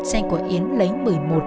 trái điểm tráihalten